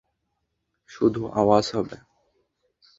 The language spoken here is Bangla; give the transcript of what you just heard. শুধু আওয়াজ হবে।